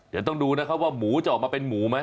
เดี๋ยวต้องดูนะครับว่าหมูจะออกมาเป็นหมูไหม